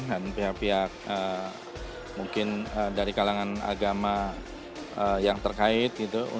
dan pihak pihak mungkin dari kalangan agama yang terkait